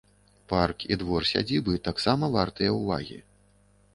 Парк і двор сядзібы таксама вартыя ўвагі.